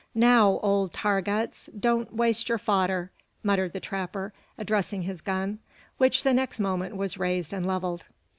"Now, old Tar guts, don't waste your fodder!" muttered the trapper, addressing his gun, which the next moment was raised and levelled.